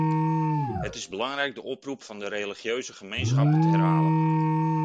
Het is belangrijk de oproep van de religieuze gemeenschappen te herhalen.